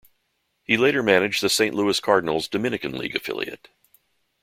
He later managed the Saint Louis Cardinals' Dominican League affiliate.